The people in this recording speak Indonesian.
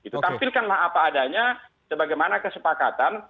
tampilkanlah apa adanya sebagaimana kesepakatan